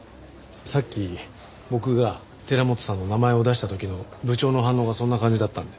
さっき僕が寺本さんの名前を出した時の部長の反応がそんな感じだったんで。